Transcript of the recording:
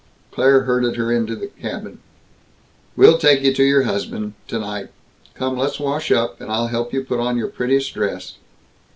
Claire herded her into the cabin. "We'll take you to your husband tonight. Come, let's wash up, and I'll help you put on your prettiest dress."